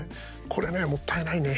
これね、もったいないね。